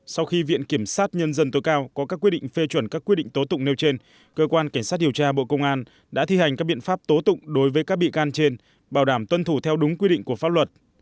sau khi viện kiểm sát nhân dân tối cao có các quyết định phê chuẩn các quyết định tố tụng nêu trên cơ quan cảnh sát điều tra bộ công an đã thi hành các biện pháp tố tụng đối với các bị can trên bảo đảm tuân thủ theo đúng quy định của pháp luật